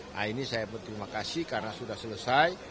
nah ini saya berterima kasih karena sudah selesai